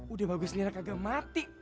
udah bagus nih anak agak mati